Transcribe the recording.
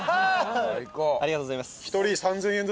ありがとうございます。